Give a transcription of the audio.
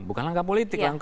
bukan langkah politik